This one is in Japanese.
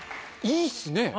いいっすね。